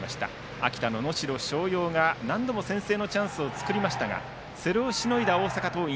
秋田の能代松陽が何度も先制のチャンスを作りましたがそれをしのいだ大阪桐蔭